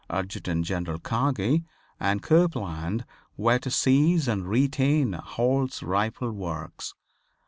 Adjutant General Kagi and Copeland were to seize and retain Hall's Rifle Works.